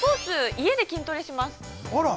◆家で筋トレします。